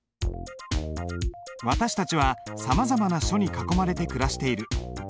私たちはさまざまな書に囲まれて暮らしている。